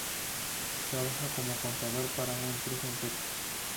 Trabaja como contador para una empresa en Tokio.